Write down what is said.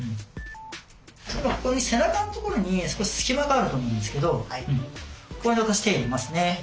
今背中のところに少し隙間があると思うんですけどここに私手入れますね。